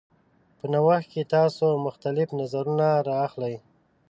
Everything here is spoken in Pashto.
په نوښت کې تاسو مختلف نظرونه راخلئ.